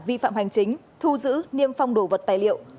vi phạm hành chính thu giữ niêm phong đổ vật tài liệu